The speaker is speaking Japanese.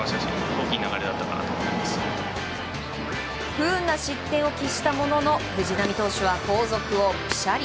不運な失点を喫したものの藤浪投手は後続をピシャリ。